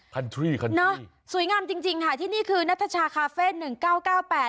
คันทรีย์คันทรีย์สวยงามจริงที่นี่คือนัทชาคาเฟ่๑๙๓๔